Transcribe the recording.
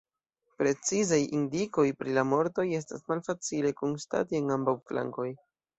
Precizaj indikoj pri la mortoj estas malfacile konstati en ambaŭ flankoj.